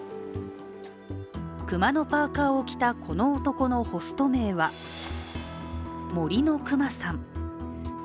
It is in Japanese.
熊のパーカーを着たこの男のホスト名は森のくまさん。